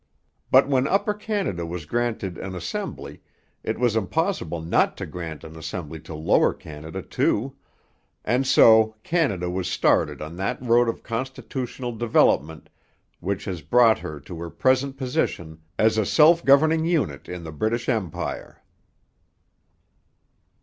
But when Upper Canada was granted an assembly, it was impossible not to grant an assembly to Lower Canada too; and so Canada was started on that road of constitutional development which has brought her to her present position as a self governing unit in the British Empire.